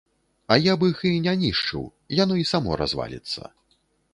А я б іх і не нішчыў, яно і само разваліцца.